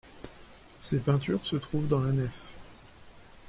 Ces peintures se trouvent dans la nef.